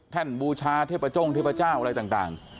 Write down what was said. บูชาเทพจงเทพเจ้าอะไรต่าง